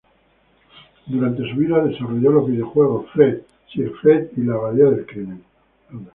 Durante su vida desarrolló los videojuegos "Fred", "Sir Fred" y "La abadía del crimen".